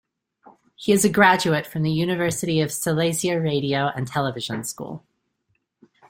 He is a graduate from the University of Silesia Radio and Television school.